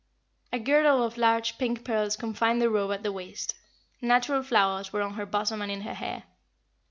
A girdle of large pink pearls confined the robe at the waist. Natural flowers were on her bosom and in her hair.